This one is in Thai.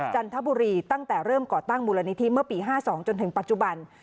จันทบุรีตั้งแต่เริ่มก่อตั้งมูลนิธิเมื่อปี๕๒จนถึงปัจจุบัน